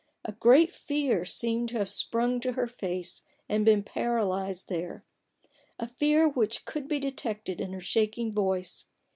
A great fear seemed to have sprung to her face and been paralyzed there : a fear which could be detected in her shaking voice.